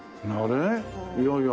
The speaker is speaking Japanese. いやいや。